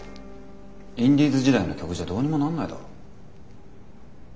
インディーズ時代の曲じゃどうにもなんないだろ？